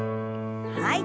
はい。